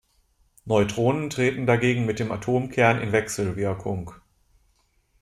Neutronen treten dagegen mit dem Atomkern in Wechselwirkung.